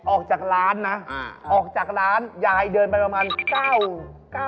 ออกจากร้านนะออกจากร้านยายเดินไปประมาณเก้าเก้า